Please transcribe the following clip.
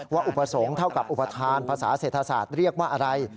อุปสรรคเท่ากับอุปทานภาษาเศรษฐศาสตร์เรียกว่าอะไร